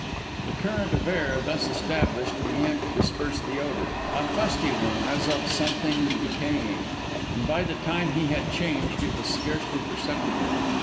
The current of air thus established began to disperse the odour a fusty one as of something decaying and by the time that he had changed, it was scarcely perceptible.